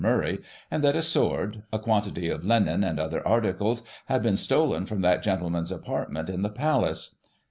Murray, and that a sword, a quantity of linen and other articles, had been stolen from that gentleman's apart ments in the Palace.